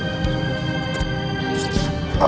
aku bisa jalan